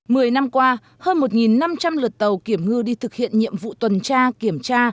mười năm qua hơn một năm trăm linh lượt tàu kiểm ngư đi thực hiện nhiệm vụ tuần tra kiểm tra